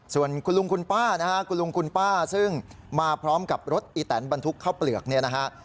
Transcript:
ส่วนคุณลุงคุณป้านะฮะคุณลุงคุณป้าซึ่งมาพร้อมกับรถอีแตนบรรทุกข้าวเปลือกเนี่ยนะฮะ